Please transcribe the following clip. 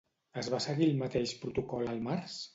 Es va seguir el mateix protocol el març?